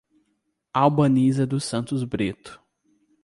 Albaniza dos Santos Brito